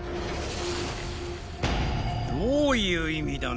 どういう意味だね？